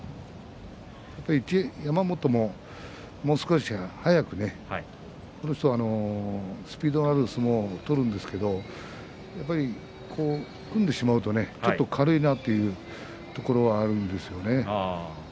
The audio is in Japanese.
一山本も、もう少し速くこの人はスピードのある相撲を取るんですけれどやっぱり組んでしまうとちょっと軽いなというところはあるんですよね。